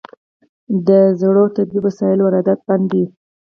د زړو طبي وسایلو واردات بند دي؟